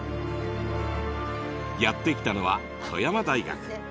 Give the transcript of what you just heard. やって来たのは富山大学。